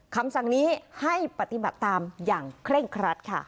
คำสั่งนี้ให้ปฏิบัติตามอย่างเคร่งครัดค่ะ